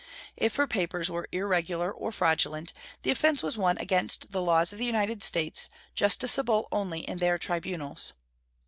If her papers were irregular or fraudulent, the offense was one against the laws of the United States, justiciable only in their tribunals.